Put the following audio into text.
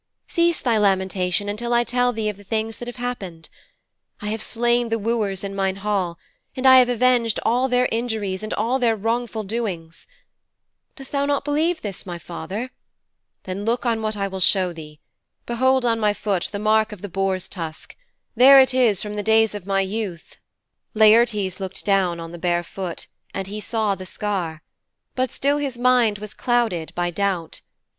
Cease thy lamentation until I tell thee of the things that have happened. I have slain the wooers in mine hall, and I have avenged all their injuries and all their wrongful doings. Dost thou not believe this, my father? Then look on what I will show thee. Behold on my foot the mark of the boar's tusk there it is from the days of my youth.' Laertes looked down on the bare foot, and he saw the scar, but still his mind was clouded by doubt.